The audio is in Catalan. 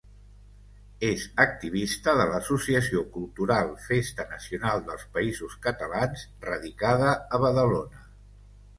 És activista de l'Associació Cultural Festa Nacional dels Països Catalans, radicada a Badalona.